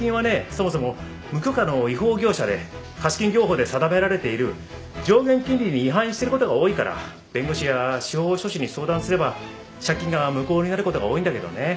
そもそも無許可の違法業者で貸金業法で定められている上限金利に違反してる事が多いから弁護士や司法書士に相談すれば借金が無効になる事が多いんだけどね。